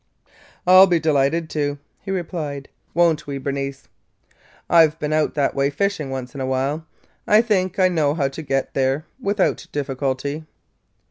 "I 'll be delighted to," he replied. "Won't we, Bernice? I 've been out that way fishing, once in a while. I think I know how to get there without difficulty.